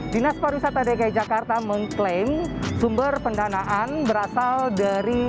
dinas pariwisata dki jakarta mengklaim sumber pendanaan berasal dari